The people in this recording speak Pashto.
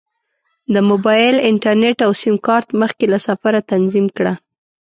د موبایل انټرنیټ او سیم کارت مخکې له سفره تنظیم کړه.